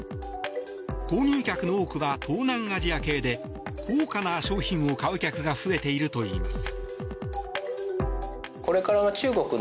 購入客の多くは東南アジア系で高価な商品を買う客が増えているといいます。